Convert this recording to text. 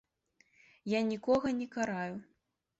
Я нікога не караю.